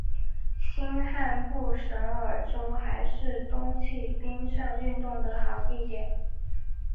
新罕布什尔州还是冬季冰上运动的好地点。